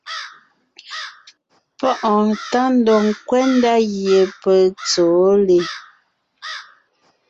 Páʼɔɔn tá ndɔg ńkwɛ́ ndá gie peg èe tsɛ̀ɛ wó li.